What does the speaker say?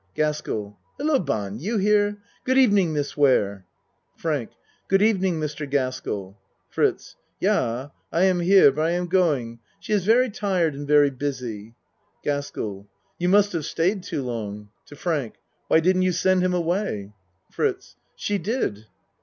GASKELL Hello, Bahn, you here? Good even ing, Miss Ware. FRANK Good evening, Mr. Gaskell. FRITZ Yah I am here but I am going. She is very tired and very busy. GASKELL You must have stayed too long. (Te Frank.) Why didn't you send him away? FRITZ She did.